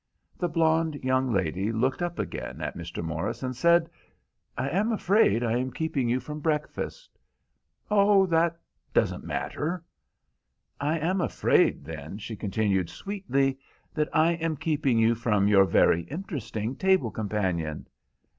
The blonde young lady looked up again at Mr. Morris, and said— "I am afraid I am keeping you from breakfast." "Oh, that doesn't matter." "I am afraid, then," she continued sweetly, "that I am keeping you from your very interesting table companion."